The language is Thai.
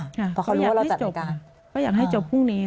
เพราะเขารู้ว่าเราจัดรายการก็อยากให้จบพรุ่งนี้